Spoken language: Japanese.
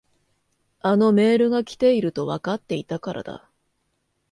あのメールが来ているとわかっていたからだ。